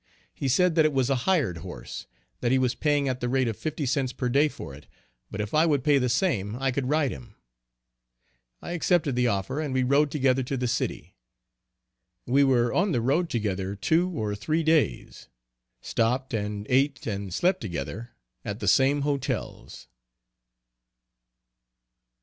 He said that it was a hired horse, that he was paying at the rate of fifty cents per day for it, but if I would pay the same I could ride him. I accepted the offer and we rode together to the city. We were on the road together two or three days; stopped and ate and slept together at the same hotels.